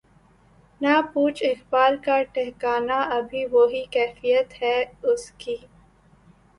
نہ پوچھ اقبال کا ٹھکانہ ابھی وہی کیفیت ہے اس کی